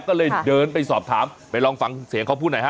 ก็เลยเดินไปสอบถามไปลองฟังเสียงเขาพูดหน่อยฮะ